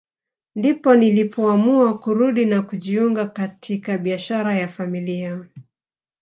Ndipo nilipoamua kurudi na kujiunga katika biashara ya familia